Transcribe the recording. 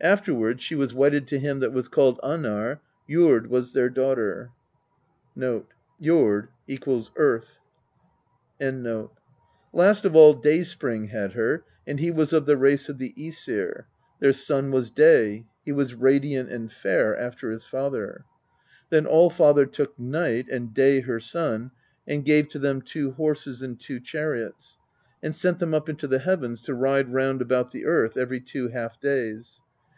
Afterward she was wedded to him that was called Annarr; Jord^ was their daughter. Last of all Dayspring had her, and he was of the race of the ^sir; their son was Day: he was radiant and fair after his father. Then Allfather took Night, and Day her son, and gave to them two horses and two chariots, and sent them up into the heavens, to ride round about the earth every two half days.